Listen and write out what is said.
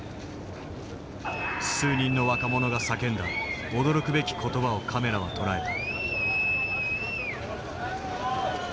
数人の若者が叫んだ驚くべき言葉をカメラは捉えた。